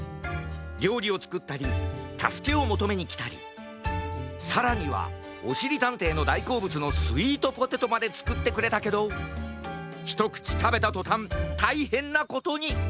りょうりをつくったりたすけをもとめにきたりさらにはおしりたんていのだいこうぶつのスイートポテトまでつくってくれたけどひとくちたべたとたんたいへんなことに！